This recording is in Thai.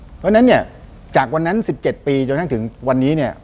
เพราะฉะนั้นเนี่ยจากวันนั้น๑๗ปีจนกระทั่งถึงวันนี้เนี่ย